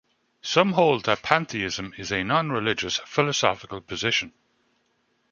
Some hold that pantheism is a non-religious philosophical position.